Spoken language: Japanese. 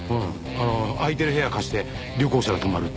あの空いてる部屋貸して旅行者が泊まるっていう。